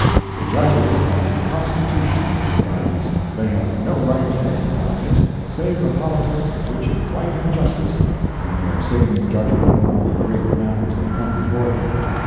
The Judges have the Constitution for their guidance; they have no right to any politics save the politics of rigid right and justice when they are sitting in judgment upon the great matters that come before them.